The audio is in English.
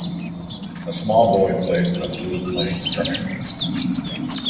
A small boy plays in a blue playing structure.